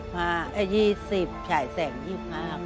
ค่า๒๐แสง๒๕ค่ะ